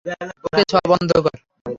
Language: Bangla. ওকে ছোঁয়া বন্ধ কর!